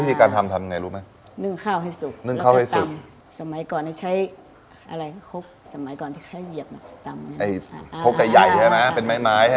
นี่น้ำซุปสำหรับน้ำใส